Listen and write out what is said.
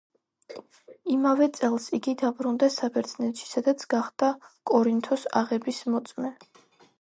იმავე წელს იგი დაბრუნდა საბერძნეთში, სადაც გახდა კორინთოს აღების მოწმე.